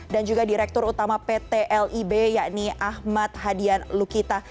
dan juga direktur utama pt lib yakni ahmad hadian lukita